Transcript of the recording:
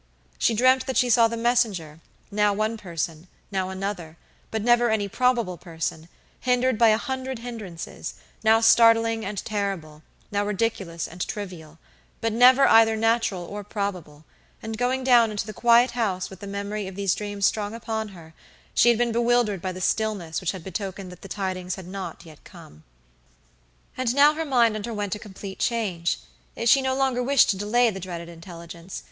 She dreamt that she saw the messenger, now one person, now another, but never any probable person, hindered by a hundred hinderances, now startling and terrible, now ridiculous and trivial, but never either natural or probable; and going down into the quiet house with the memory of these dreams strong upon her, she had been bewildered by the stillness which had betokened that the tidings had not yet come. And now her mind underwent a complete change. She no longer wished to delay the dreaded intelligence.